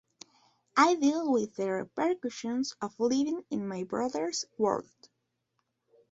I deal with the repercussions of living in my brother's world.